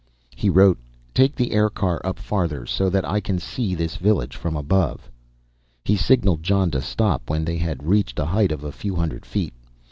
He wrote, "Take the aircar up farther, so that I can see this village from above." He signaled John to stop when they had reached a height of a few hundred feet.